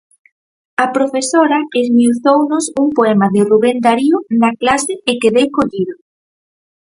A profesora esmiuzounos un poema de Rubén Darío na clase e quedei collido.